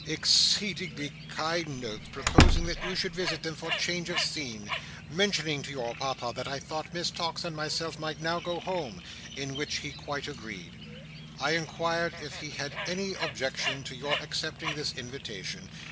"Exceedingly kind notes, proposing that you should visit them for change of scene. Mentioning to your Papa that I thought Miss Tox and myself might now go home (in which he quite agreed), I inquired if he had any objection to your accepting this invitation.